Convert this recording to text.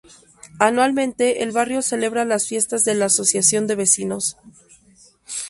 Anualmente, el barrio celebra las fiestas de la Asociación de Vecinos.